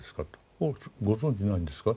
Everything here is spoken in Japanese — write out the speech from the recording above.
おおご存じないんですかって。